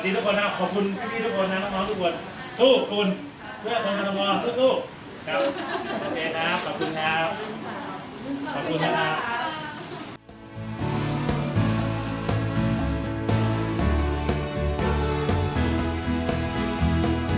ต้องอยากแพ้แพ้จังบ่อย